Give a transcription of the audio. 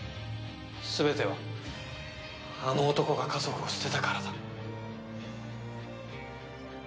全てはあの男が家族を捨てたからだ。